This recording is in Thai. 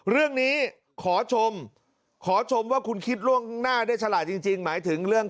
เรื่องนี้ขอชมขอชมว่าคุณคิดล่วงหน้าได้ฉลาดจริง